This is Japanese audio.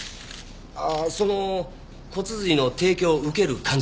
ああその骨髄の提供を受ける患者は？